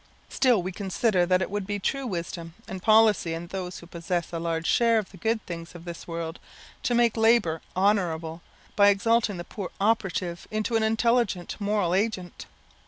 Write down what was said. Still we consider that it would be true wisdom and policy in those who possess a large share of the good things of this world, to make labour honourable, by exalting the poor operative into an intelligent moral agent.